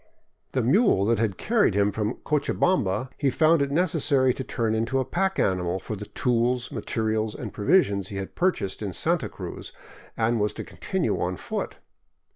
The mule that had carried him from Cochabamba he found it necessary to turn into a pack animal for the tools, materials, and provisions he had purchased in Santa Cruz, and was to continue on foot.